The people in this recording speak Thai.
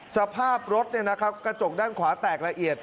สภาพรถกระจกด้านขวาแตกละเอียด